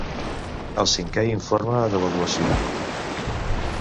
El Cinquè Informe d'Avaluació.